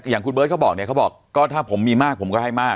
อย่างคุณเบิร์ตเขาบอกเนี่ยเขาบอกก็ถ้าผมมีมากผมก็ให้มาก